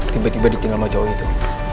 tiba tiba ditinggal sama cowok itu